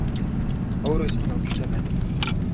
Өөрөөс минь үүдэлтэй байдаг юм